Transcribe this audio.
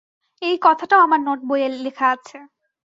এ কথাটাও আমার নোট-বইয়ে লেখা আছে।